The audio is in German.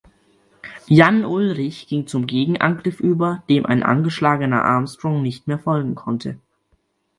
Jan Ullrich ging zum Gegenangriff über, dem ein angeschlagener Armstrong nicht mehr folgen konnte.